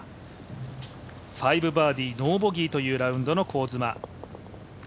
５バーディーノーボギーというラウンドの香妻。